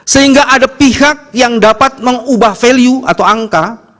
sehingga ada pihak yang dapat mengubah value atau angka